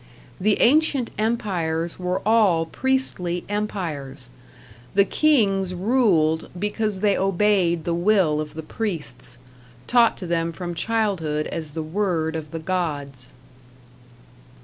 The ancient empires were all priestly empires; the kings ruled because they obeyed the will of the priests, taught to them from childhood as the word of the gods.